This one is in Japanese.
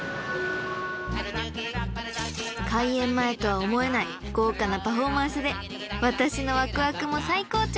［開演前とは思えない豪華なパフォーマンスで私のわくわくも最高潮］